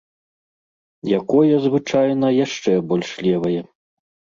Якое звычайна яшчэ больш левае.